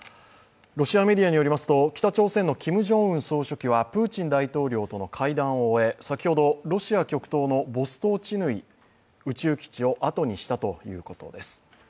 ロシアメディアによりますと、北朝鮮のキム・ジョンウン総書記はプーチン大統領との会談を終え先ほどロシア極東のボストーチヌイ宇宙基地を後にしたということです。